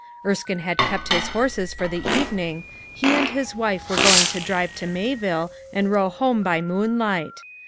Erskine had kept his horses for the evening; he and his wife were going to drive to Mayville and row home by moonlight.